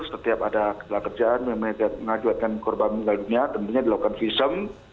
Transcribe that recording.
setiap ada kecelakaan yang mengajukan korban meninggal dunia tentunya dilakukan visum